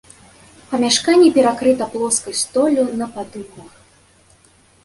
Памяшканне перакрыта плоскай столлю на падугах.